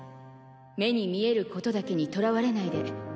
目に見えることだけにとらわれないで。